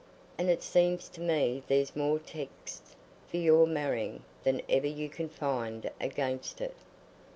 And it seems to me there's more texts for your marrying than ever you can find against it.